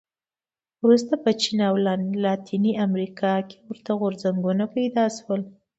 وروسته په چین او لاتینې امریکا کې ورته غورځنګونه پیدا شول.